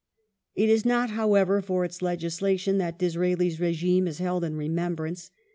It is not, however, for its legislation that Disraeli's regime is sir Staf held in remembrance.